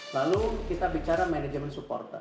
lalu kita bicara manajemen supporter